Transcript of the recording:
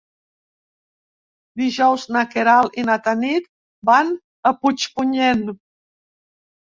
Dijous na Queralt i na Tanit van a Puigpunyent.